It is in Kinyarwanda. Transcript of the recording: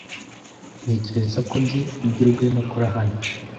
Ntekereza ko nzi ibyo Rwema akora hano.